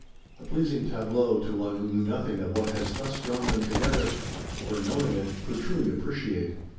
A pleasing tableau to one who knew nothing of what has thus drawn them together; or knowing it, could truly appreciate.